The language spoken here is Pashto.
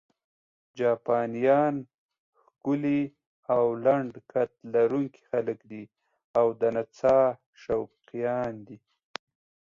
جاپانیان ښکلي او لنډ قد لرونکي خلک دي او د نڅا شوقیان دي.